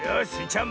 ちゃん